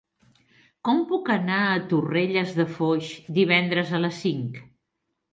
Com puc anar a Torrelles de Foix divendres a les cinc?